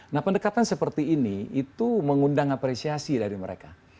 nah pendekatan seperti ini itu mengundang apresiasi dari mereka